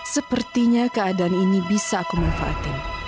sepertinya keadaan ini bisa aku manfaatin